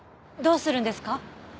どうするんですか？